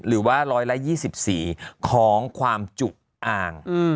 หรือว่า๑๒๔ของความจุอ่าง